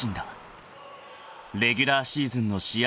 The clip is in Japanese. ［レギュラーシーズンの試合